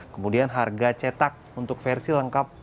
kemudian harga cetak untuk versi lengkap